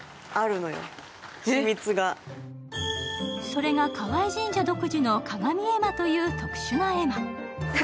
それが河合神社独自の鏡絵馬という特殊な絵馬。